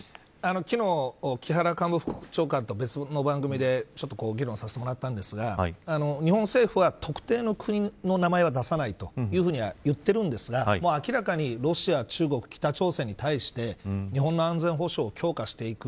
昨日木原官房副長官と別の番組で議論させてもらったんですが日本政府は、特定の国の名前は出さないというふうには言ってるんですが明らかにロシア、中国北朝鮮に対して日本の安全保障を強化していく。